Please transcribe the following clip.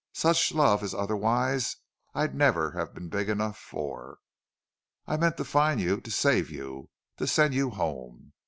Such love as otherwise I'd never have been big enough for! I meant to find you to save you to send you home!...